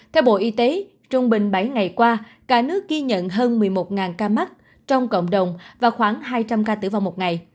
theo bộ y tế trung bình bảy ngày qua cả nước ghi nhận hơn một mươi một ca mắc trong cộng đồng và khoảng hai trăm linh ca tử vong một ngày